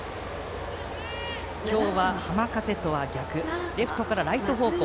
今日は浜風とは逆レフトからライト方向。